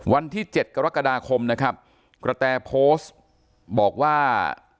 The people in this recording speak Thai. วันที่๗กรกฎาคมนะครับกระแตโพสต์บอกว่า